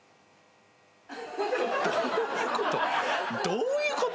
どういうこと？